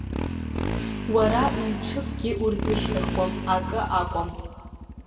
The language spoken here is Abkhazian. Уара ҩ-ҽыкгьы урзышьҭыхуам, акы акәым.